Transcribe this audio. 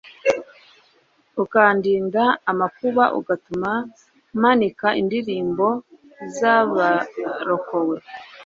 ukandinda amakuba, ugatuma mpanika indirimbo z'abarokowe